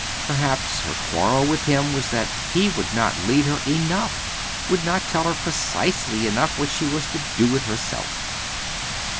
Perhaps her quarrel with him was that he would not lead her enough would not tell her precisely enough what she was to do with herself.